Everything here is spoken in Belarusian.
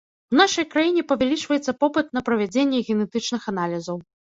У нашай краіне павялічваецца попыт на правядзенне генетычных аналізаў.